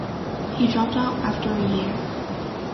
He dropped out after a year.